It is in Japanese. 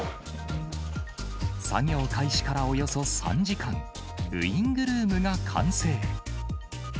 作業開始からおよそ３時間、ウイングルームが完成。